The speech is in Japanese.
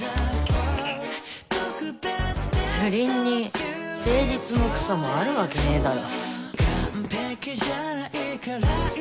不倫に誠実もクソもあるわけねぇだろ